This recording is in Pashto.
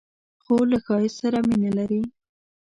خور له ښایست سره مینه لري.